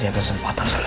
sisi rumah ini